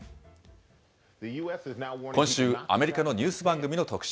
今週、アメリカのニュース番組の特集。